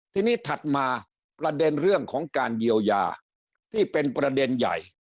ทีนี้ถัดมาประเด็นเรื่องของการเยียวยาที่เป็นประเด็นใหญ่